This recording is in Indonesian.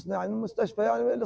saya menjaga mereka